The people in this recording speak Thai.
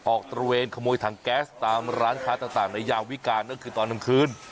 ออกตระเวนขโมยถังแก๊สตามร้านค้าต่างต่างในยามวิการนั่นคือตอนน้ำคืน